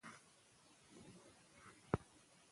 هغه د خپلې ژبې خدمت کوي.